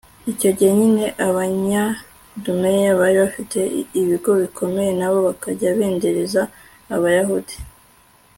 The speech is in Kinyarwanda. icyo gihe nyine, abanyadumeya bari bafite ibigo bikomeye na bo bakajya bendereza abayahudi